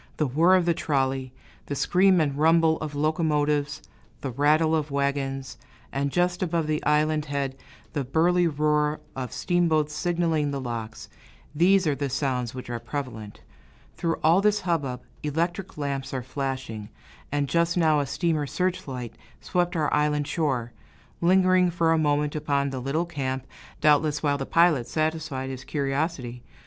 The whirr of the trolley, the scream and rumble of locomotives, the rattle of wagons; and just above the island head, the burly roar of steamboats signaling the locks, these are the sounds which are prevalent. Through all this hubbub, electric lamps are flashing, and just now a steamer's search light swept our island shore, lingering for a moment upon the little camp, doubtless while the pilot satisfied his curiosity.